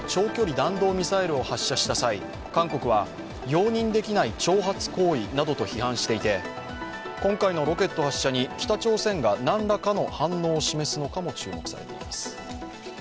弾道ミサイルを発射した際韓国は、容認できない挑発行為などと批判していて、今回のロケット発射に北朝鮮が何らかの反応を示すのかも注目されます。